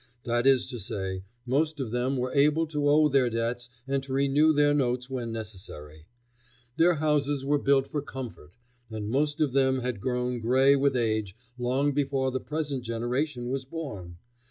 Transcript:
That is to say, most of them were able to owe their debts and to renew their notes when necessary. Their houses were built for comfort, and most of them had grown gray with age long before the present generation was born.